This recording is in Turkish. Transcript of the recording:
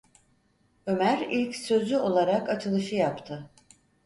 Ömer ilk sözü olarak açılışı yaptı: